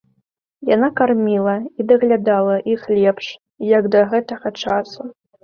Яна карміла і даглядала іх лепш, як да гэтага часу.